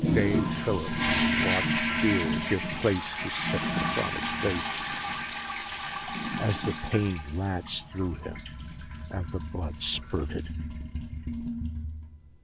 Dane Phillips watched fear give place to sickness on his face as the pain lanced through him and the blood spurted.